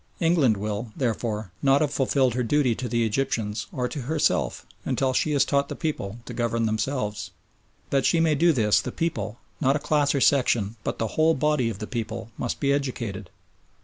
England will, therefore, not have fulfilled her duty to the Egyptians or to herself until she has taught the people to govern themselves. That she may do this the people, not a class or section, but the whole body of the people must be educated.